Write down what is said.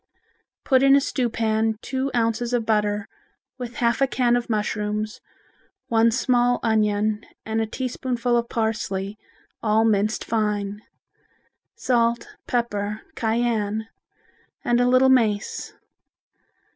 Put in a stew pan two ounces of butter with half a can of mushrooms, one small onion and a teaspoonful of parsley, all minced fine; salt, pepper, cayenne and a little mace.